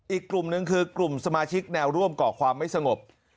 อีกกลุ่มหนึ่งคือกลุ่มสมาชิกแนวร่วมก่อความไม่สงบ